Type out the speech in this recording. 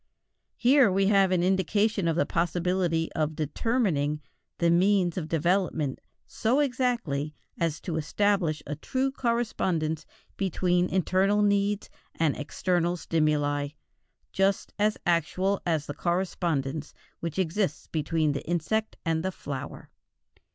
Here we have an indication of the possibility of determining the means of development so exactly as to establish a true correspondence between internal needs and external stimuli, just as actual as the correspondence which exists between the insect and the flower.